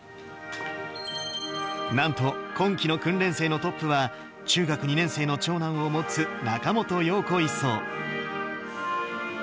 なんと、今期の訓練生のトップは、中学２年生の長男を持つ中元陽子１曹。